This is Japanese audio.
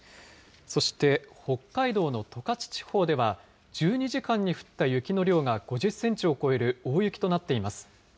そして、北海道の十勝地方では、１２時間に降った雪の量が５０センチを超える大雪となっています。